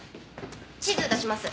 地図出します。